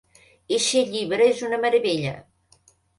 Eixe llibre és una meravella.